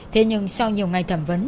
thế nhưng sau nhiều ngày thẩm vấn